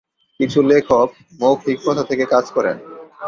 কিছু লেখক মৌখিক প্রথা থেকে কাজ করেন।